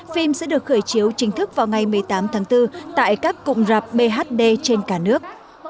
phim sẽ được khởi chiếu chính thức vào ngày một mươi tám tháng bốn tại các cụm rạp bhd trên cả nước